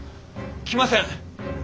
来ません。